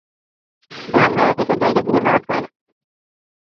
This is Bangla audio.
তো, আমরা এসব জায়গা দিতে না পারা অপরাধীদের নিয়ে কী করব?